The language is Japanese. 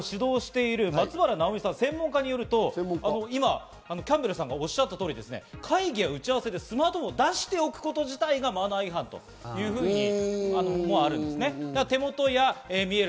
実際、マナーを指導している松原奈緒美さん、専門家によると、今、キャンベルさんがおっしゃた通り、会議や打ち合わせでスマートフォン出しておくこと自体がマナー違反というふうに言っています。